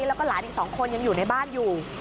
แล้วก็หลานอีก๒คนยังอยู่ในบ้านอยู่